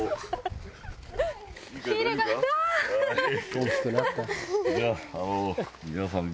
「大きくなった」